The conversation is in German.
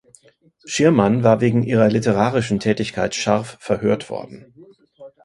Schirmann war wegen ihrer literarischen Tätigkeit scharf verhört worden.